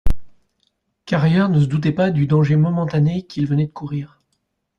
Carrier ne se doutait pas du danger momentané qu'il venait de courir.